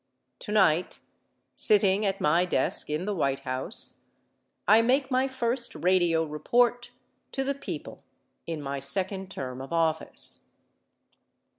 Tonight, sitting at my desk in the White House, I make my first radio report to the people in my second term of office.